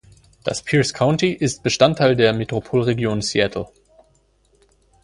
Das Pierce County ist Bestandteil der Metropolregion Seattle.